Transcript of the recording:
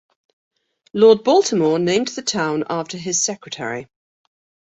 Lord Baltimore named the town after his secretary.